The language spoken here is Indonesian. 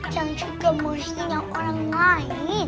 jangan juga mau sinyal orang lain